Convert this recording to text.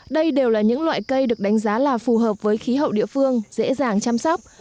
đây đều là những loại cây được đánh giá là phù hợp với khí hậu địa phương dễ dàng chăm sóc